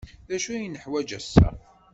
D acu ay neḥwaj ass-a?